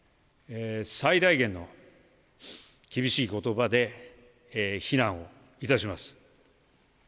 最大限の厳しいことばで、非難をいたします。